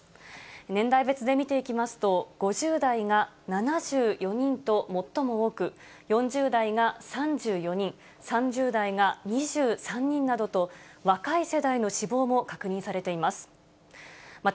年代別で見ていきますと、５０代が７４人と最も多く、４０代が３４人、３０代が２３人などと、若い世代の死亡も確認されています。